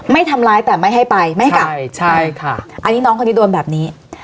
ไม่ทำร้ายแต่ไม่ให้ไปไม่ให้กลับใช่ค่ะอันนี้น้องคนนี้โดนแบบนี้